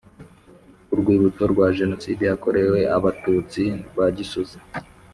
Urwibutso rwa Jenoside yakorewe Abatutsi rwa Gisozi